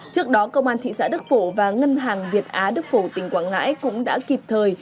trước đó công an thị xã đức phổ và ngân hàng việt á đức phổ tỉnh quảng ngãi cũng đã kịp thời